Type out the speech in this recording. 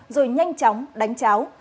rồi nhanh chóng đánh cháo